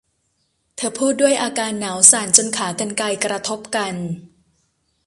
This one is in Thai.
เธอพูดด้วยอาการหนาวสั่นจนขากรรไกรกระทบกัน